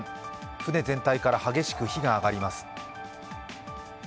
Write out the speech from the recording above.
船全体から激しく火が上がります。